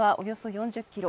４０ｋｍ